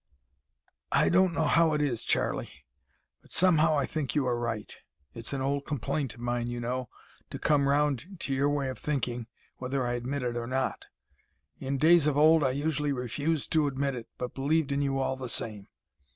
"I don't know how it is, Charlie, but somehow I think you are right. It's an old complaint of mine, you know, to come round to your way of thinking, whether I admit it or not. In days of old I usually refused to admit it, but believed in you all the same!